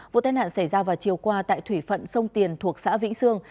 vụ tai nạn xảy ra vào chiều qua tại thủy phận sông tiền thuộc xã vĩnh sương